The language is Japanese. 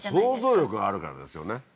想像力があるからですよね